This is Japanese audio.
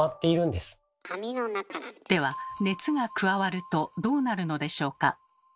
では熱が加わるとどうなるのでしょうか？